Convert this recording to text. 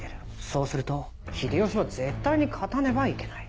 そうすると秀吉は絶対に勝たねばいけない。